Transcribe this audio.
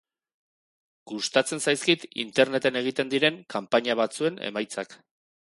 Gustatzen zaizkit Interneten egiten diren kanpaina batzuen emaitzak.